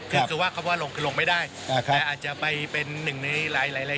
คือคือว่าคำว่าลงคือลงไม่ได้อ่าครับแต่อาจจะไปเป็นหนึ่งในหลายหลาย